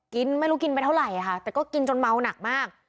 ไม่รู้กินไปเท่าไหร่ค่ะแต่ก็กินจนเมาหนักมาก